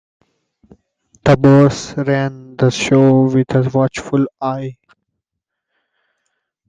The boss ran the show with a watchful eye.